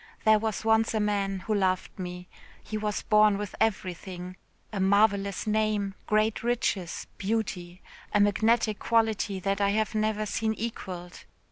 There was once a man who loved me. He was born with everything a marvellous name, great riches, beauty, a magnetic quality that I have never seen equalled.